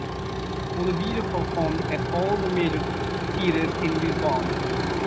Oliveira performed at all the major theatres in Lisbon.